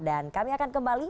dan kami akan kembali